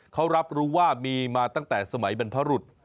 เขารับรู้ว่ามีมาตั้งแต่สมัยบรรพรุษ